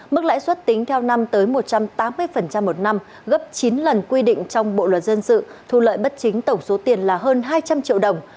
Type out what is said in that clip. mức lãi suất tính theo năm tới một trăm tám mươi một năm gấp chín lần quy định trong bộ luật dân sự thu lợi bất chính tổng số tiền là hơn hai trăm linh triệu đồng